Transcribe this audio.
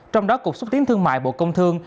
trong đó cục xúc tiến thương mại bộ công thương